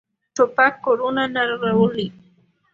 توپک کورونه نړولي.